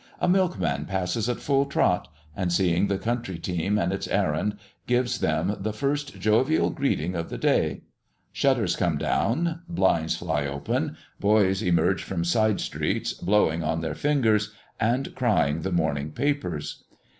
A milkman passes at full trot, and, seeing the country team and its errand gives them the first jovial greeting of the day. Shutters come down, blinds fly open, boys emerge from side streets, blowing on their fingers and crying the morning papers.